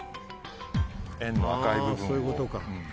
円の赤い部分を。